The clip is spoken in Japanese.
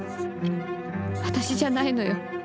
私じゃないのよ。